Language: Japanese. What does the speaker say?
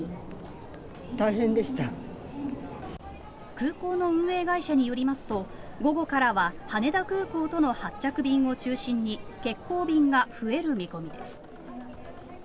空港の運営会社によりますと午後からは羽田空港との発着便を中心に欠航便が増える見込みです。